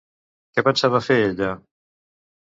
Què pensava fer ella?